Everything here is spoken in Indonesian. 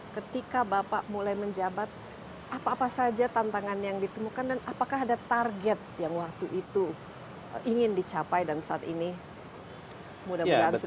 ketika bapak mulai menjabat apa apa saja tantangan yang ditemukan dan apakah ada target yang waktu itu ingin dicapai dan saat ini mudah mudahan sudah